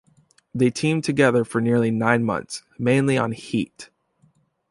They teamed together for nearly nine months, mainly on "Heat".